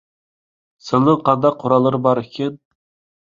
سىلىنىڭ قانداق قوراللىرى بارئىكىن؟